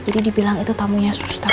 jadi dibilang itu tamunya suster